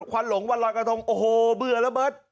วันหลงวันรอยกระทงโอ้โหเบื่อระเบิด